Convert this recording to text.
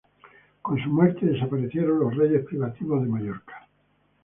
Con su muerte desaparecieron los reyes privativos de Mallorca.